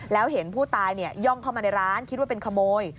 แล้วเห็นผู้ตายย่องเข้ามาในร้านคิดว่าเป็นขโมย